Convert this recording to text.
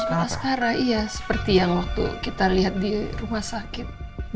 al sama askara iya seperti yang waktu kita liat di rumah sakit